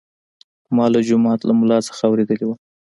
ما له جومات له ملا څخه اورېدلي وو.